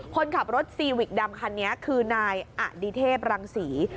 คนขับรถซีวิกดำคันนี้คือนายอดิเทพรังศรี